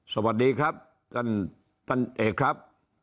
สวัสดีครับท่านท่านเอกครับ